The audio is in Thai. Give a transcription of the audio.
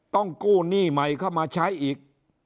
ต้องกู้หนี้ใหม่เข้ามาใช้อีก